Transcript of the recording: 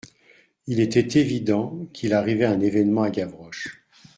Il était évident qu'il arrivait un événement à Gavroche.